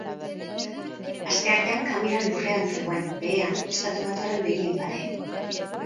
Asteartean kamera lurrean zegoen, behean, estatubatuarren begien pare.